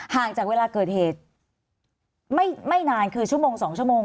จากเวลาเกิดเหตุไม่นานคือชั่วโมง๒ชั่วโมง